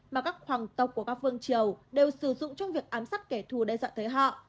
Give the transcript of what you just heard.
mà các hoàng tộc của các phương triều đều sử dụng trong việc ám sát kẻ thù đe dọa tới họ